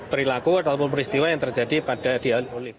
perilaku atau peristiwa yang terjadi pada di al ulim